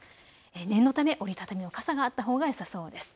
念のため、折り畳みの傘があったほうがよさそうです。